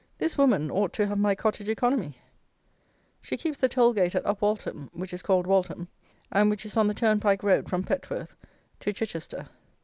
This woman ought to have my Cottage Economy. She keeps the toll gate at Upwaltham, which is called Waltham, and which is on the turnpike road from Petworth to Chichester.